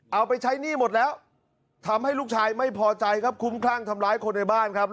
เอาไปใช้หนี้หมดแล้วทำให้ลูกชายไม่พอใจครับคุ้มคลั่งทำร้ายคนในบ้านครับ